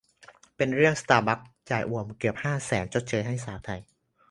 เป็นเรื่อง สตาร์บัคส์ จ่ายอ่วมเกือบ ห้า แสน ชดเชยให้สาวไทย